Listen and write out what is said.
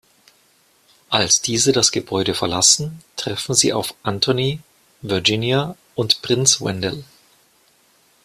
Als diese das Gebäude verlassen treffen sie auf Anthony, Virginia und Prinz Wendell.